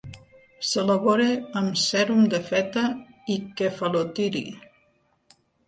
S'elabora amb sèrum de feta i kefalotiri.